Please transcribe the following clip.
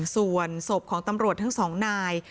ส่วนศพของตำรวจทั้งสองนาย